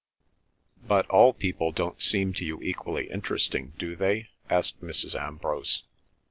"But all people don't seem to you equally interesting, do they?" asked Mrs. Ambrose.